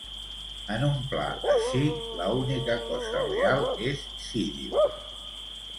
En un pla així, la única cosa real és Sidious.